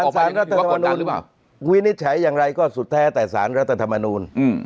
ศาลรัฐธรรมนูลวินิจฉัยังไรก็สุดแท้แต่ศาลรัฐธรรมนูล